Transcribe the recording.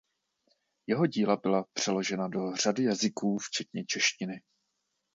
Jeho díla byla přeložena do řady jazyků včetně češtiny.